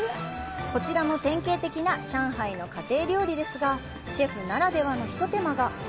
こちらも典型的な上海の家庭料理ですが、シェフならではの一手間が。